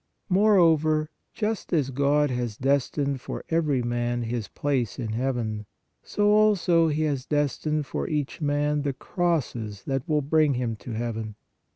Moreover, just as God has destined for every man his place in heaven, so also He has destined for each man the crosses that will bring him to heaven.